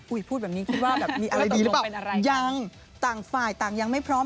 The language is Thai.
พูดแบบนี้คิดว่าแบบมีอะไรดีหรือเปล่ายังต่างฝ่ายต่างยังไม่พร้อม